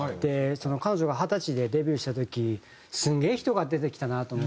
彼女が二十歳でデビューした時すげえ人が出てきたなと思って。